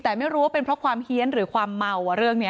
แต่ไม่รู้ว่าเป็นเพราะความเฮียนหรือความเมาเรื่องนี้